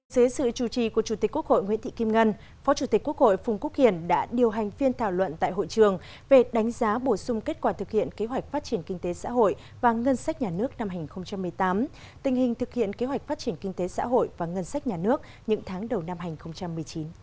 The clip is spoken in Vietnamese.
dưới sự chủ trì của chủ tịch quốc hội nguyễn thị kim ngân phó chủ tịch quốc hội phùng quốc hiển đã điều hành phiên thảo luận tại hội trường về đánh giá bổ sung kết quả thực hiện kế hoạch phát triển kinh tế xã hội và ngân sách nhà nước năm hai nghìn một mươi tám tình hình thực hiện kế hoạch phát triển kinh tế xã hội và ngân sách nhà nước những tháng đầu năm hai nghìn một mươi chín